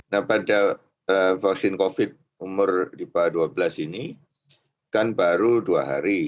nah pada vaksin covid umur di bawah dua belas ini kan baru dua hari